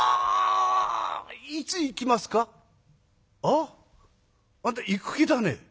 「ああんた行く気だね？